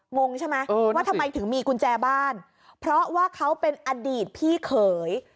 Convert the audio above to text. งงใช่ไหมว่าทำไมถึงมีกุญแจบ้านเพราะว่าเขาเป็นอดีตพี่เขย